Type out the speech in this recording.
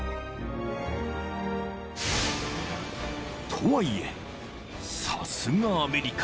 ［とはいえさすがアメリカ］